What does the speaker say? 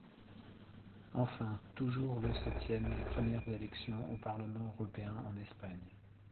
Enfin, toujours le se tiennent les premières premières élections au Parlement européen en Espagne.